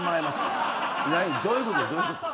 どういうこと？